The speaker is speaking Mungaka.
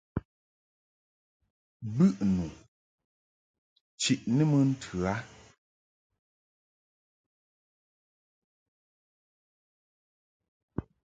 Bɨʼnu chiʼni mɨ ntɨ a.